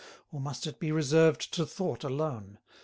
Or must it be reserved to thought alone?